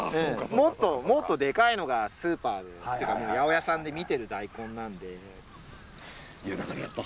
もっともっとでかいのがスーパーで八百屋さんで見てる大根なんで。